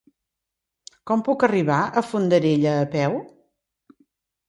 Com puc arribar a Fondarella a peu?